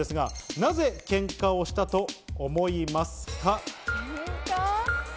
なぜ喧嘩をしたと思いますか？